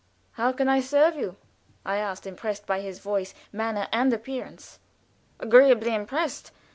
"How can I serve you?" I asked, impressed by his voice, manner, and appearance; agreeably impressed.